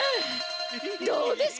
どうです！